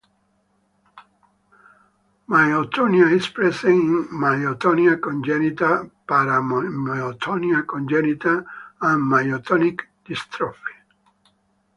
Myotonia is present in Myotonia congenita, Paramyotonia Congenita and myotonic dystrophy.